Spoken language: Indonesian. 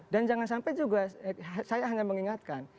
dan jangan sampai juga saya hanya mengingatkan